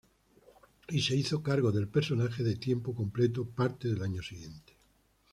Y se hizo cargo del personaje de tiempo completo parte del año siguiente.